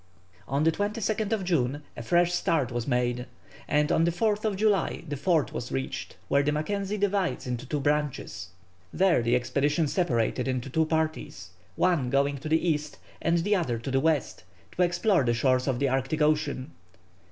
On the 22nd June a fresh start was made, and on the 4th July the fort was reached where the Mackenzie divides into two branches. There the expedition separated into two parties, one going to the east and the other to the west, to explore the shores of the Arctic Ocean.